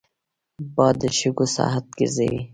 باد د شګو ساعت ګرځوي